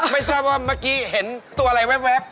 ไม่น่าจะใช่